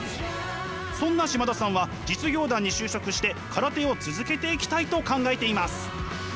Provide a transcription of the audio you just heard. そんな嶋田さんは実業団に就職して空手を続けていきたいと考えています。